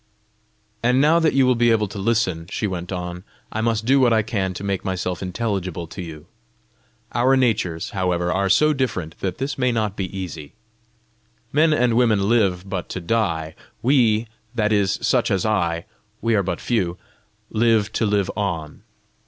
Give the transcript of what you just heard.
"And now that you will be able to listen," she went on, "I must do what I can to make myself intelligible to you. Our natures, however, are so different, that this may not be easy. Men and women live but to die; we, that is such as I we are but a few live to live on.